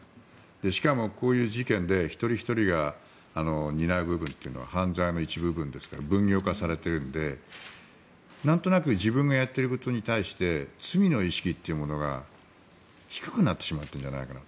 しかも、こういう事件で一人ひとりが担う部分は犯罪の一部分ですから分業化されているのでなんとなく自分がやっていることに対して罪の意識というものが低くなってしまっているんじゃないかと。